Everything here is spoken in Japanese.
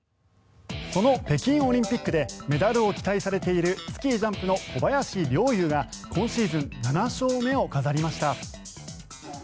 その北京オリンピックでメダルを期待されているスキージャンプの小林陵侑が今シーズン７勝目を飾りました。